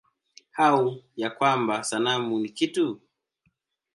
Au ya kwamba sanamu ni kitu?